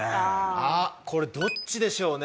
あっこれどっちでしょうね？